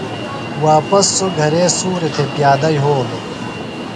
واپس سوۡ گھرے سُوریۡ تھےۡ پیادہ یھولوۡ۔